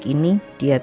kau setidaknya taruh